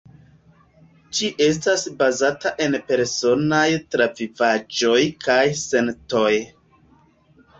Ĝi estas bazata en personaj travivaĵoj kaj sentoj.